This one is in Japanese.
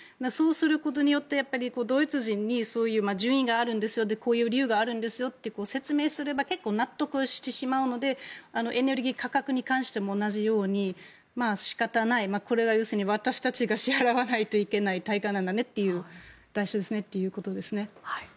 そうすることによってドイツ人に順位があるんですよというのとこういう理由があるんですよと説明すれば結構、納得してしまうのでエネルギー価格に関しても同じように仕方ないこれは私たちが支払わないといけない対価なんだねという代償ですねということですね。